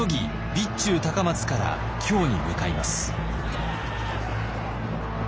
備中高松から京に向かいます。